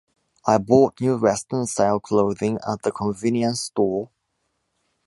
I bought new western-style clothing at the convenience store.